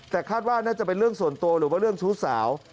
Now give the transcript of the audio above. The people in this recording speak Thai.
แต่คาดว่าน่าจะเป็นเรื่องส่วนตัวหรือว่าเรื่องชู้สาว